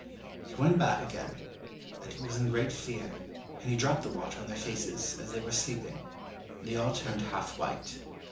He went back again, and he was in great fear, and he dropped the water on their faces as they were sleeping, and they all turned half white.